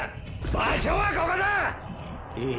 「場所」はここだッ！